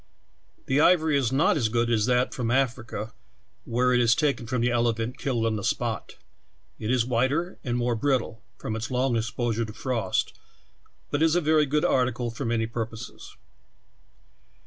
The ivor^^ is not as good as that from Africa, where it is taken from the elephant killed on the spot ; it is whiter and more brittle, from its long exposure to frost, but is a very good article for many purposes.